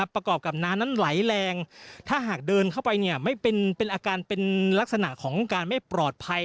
ประกอบกับน้ำนั้นไหลแรงถ้าหากเดินเข้าไปเป็นอาการเป็นลักษณะของการไม่ปลอดภัย